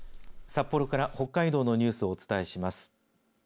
札幌から北海道のニュースをお伝えします。